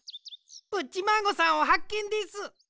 プッチマーゴさんをはっけんです！